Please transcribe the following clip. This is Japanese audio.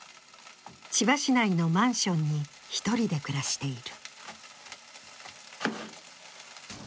千葉市内のマンションに１人で暮らしている。